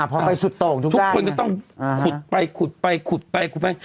อ่าพอไปสุดโต่งทุกท่านทุกคนก็ต้องขุดไปขุดไปขุดไป